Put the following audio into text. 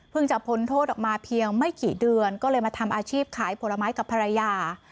จะพ้นโทษออกมาเพียงไม่กี่เดือนก็เลยมาทำอาชีพขายผลไม้กับภรรยา